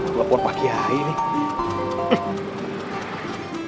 telepon pak kiai nih